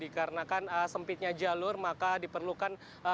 karena kan sempitnya jalur maka diperlukan